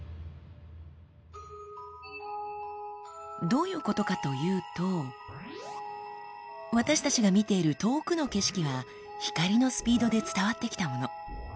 どういうことかというと私たちが見ている遠くの景色は光のスピードで伝わってきたもの。